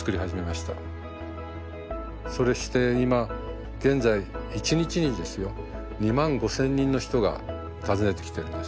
それして今現在一日にですよ２万５，０００人の人が訪ねてきてるんです。